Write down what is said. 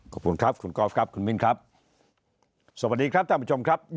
ขอบคุณครับคุณกอล์ฟครับคุณมินครับ